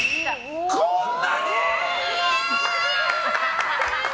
こんなに！？